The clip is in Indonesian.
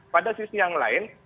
pada sisi yang lain